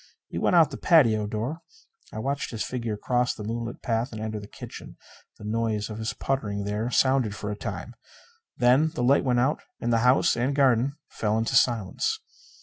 He went out the patio door. I watched his figure cross the moonlit path and enter the kitchen. The noise of his puttering there sounded for a time. Then the light went out and the house and garden fell into silence.